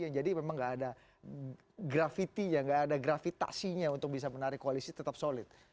tidak ada grafitinya tidak ada gravitasinya untuk bisa menarik koalisi tetap solid